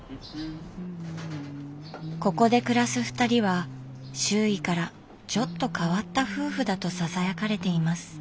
ここで暮らすふたりは周囲からちょっと変わった夫婦だとささやかれています。